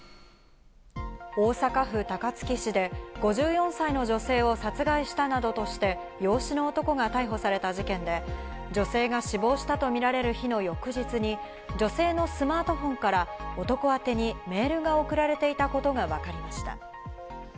大阪府高槻市で５４歳の女性を殺害したなどとして、養子の男が逮捕された事件で、女性が死亡したとみられる日の翌日に、女性のスマートフォンから男宛にメールが送られていたことがわかりました。